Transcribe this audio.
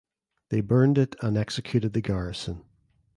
They burned it and executed the garrison.